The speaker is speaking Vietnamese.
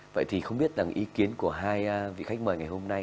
vậy thì không biết rằng ý kiến của hai vị khách mời ngày hôm nay